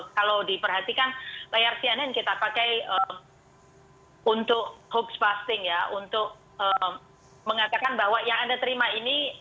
kalau diperhatikan layar cnn kita pakai untuk hoax fasting ya untuk mengatakan bahwa yang anda terima ini